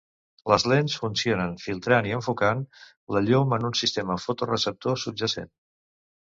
Les lents funcionen filtrant i enfocant la llum en un sistema fotoreceptor subjacent.